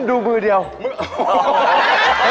ได้เท่านี้แล้ว